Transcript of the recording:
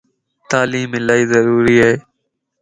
تعليم الائي ضروري ا